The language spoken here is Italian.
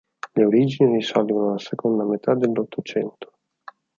Le origini risalgono alla seconda metà dell'Ottocento.